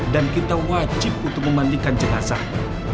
dan kita wajib untuk memandikan jenazahnya